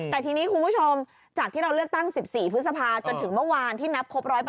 แต่ทีนี้คุณผู้ชมจากที่เราเลือกตั้ง๑๔พฤษภาจนถึงเมื่อวานที่นับครบ๑๐๐